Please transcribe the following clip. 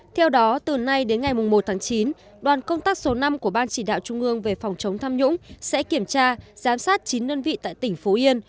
theo đó từ nay đến ngày một tháng chín đoàn công tác số năm của ban chỉ đạo trung ương về phòng chống tham nhũng sẽ kiểm tra giám sát chín đơn vị tại tỉnh phú yên